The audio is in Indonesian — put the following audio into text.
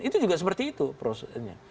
itu juga seperti itu prosesnya